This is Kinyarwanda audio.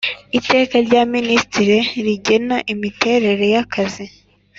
Iteka rya Minisitiri rigena imiterere yakazi.